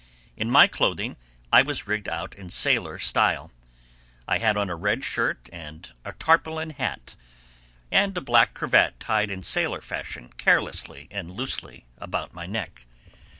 In my clothing I was rigged out in sailor style. I had on a red shirt and a tarpaulin hat, and a black cravat tied in sailor fashion carelessly and loosely about my neck.